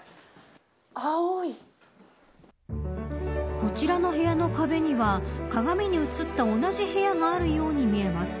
こちらの部屋の壁には鏡に映った同じ部屋があるように見えます。